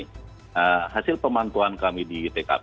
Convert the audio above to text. nah hasil pemantauan kami di tkp